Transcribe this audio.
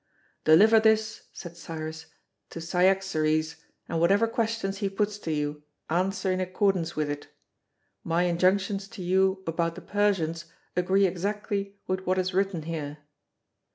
"Deliver this," said Cyrus, "to Cyaxares, and whatever questions he puts to you, answer in accordance with it. My injunctions to you about the Persians agree exactly with what is written here."